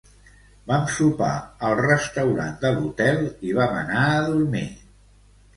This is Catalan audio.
Vam sopar al restaurant de l'hotel i vam anar a dormir.